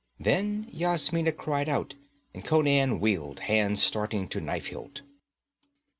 Then Yasmina cried out, and Conan wheeled, hand starting to knife hilt.